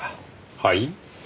はい？